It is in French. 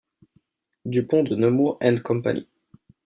Du Pont de Nemours and Company.